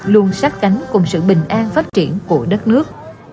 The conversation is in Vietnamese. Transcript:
luôn sát cánh cùng sự bình an phát triển của đất nước